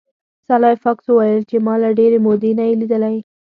سلای فاکس وویل چې ما له ډیرې مودې نه یې لیدلی